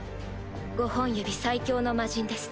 五本指最強の魔人です。